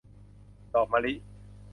ดอกมะลิ